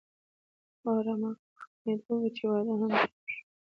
واوره مخ په ختمېدو وه چې واده هم تيار شو.